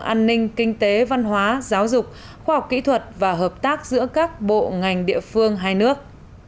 an ninh kinh tế văn hóa giáo dục khoa học kỹ thuật và hợp tác giữa các bộ ngành địa phương hai nước